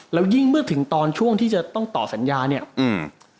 แล้วยิ่งเมื่อถึงตอนช่วงที่จะต้องต่อสัญญาเนี้ยอืม